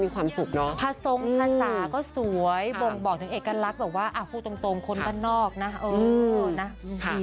ท้ายสุดนั้นคือแฟนฉันเมื่อก่อนนั้นรักปันจะเกลือ